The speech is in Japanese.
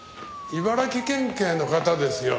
茨城県警の方ですよね？